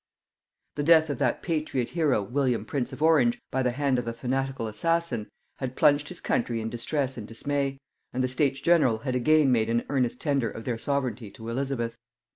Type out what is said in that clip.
The death of that patriot hero William prince of Orange by the hand of a fanatical assassin, had plunged his country in distress and dismay, and the States general had again made an earnest tender of their sovereignty to Elizabeth.